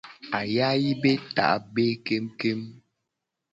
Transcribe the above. Ayayi be ta be kengu kengu.